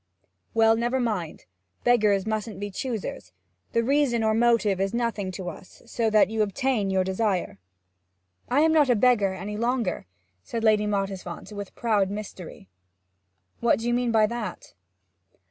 'Well, never mind; beggars mustn't be choosers. The reason or motive is nothing to us, so that you obtain your desire.' 'I am not a beggar any longer,' said Lady Mottisfont, with proud mystery. 'What do you mean by that?'